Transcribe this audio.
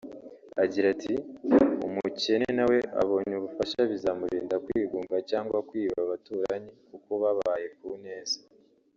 Agira ati “Umukene na we abonye ubufasha bizamurinda kwigunga cyangwa kwiba abaturanyi kuko babahaye ku neza”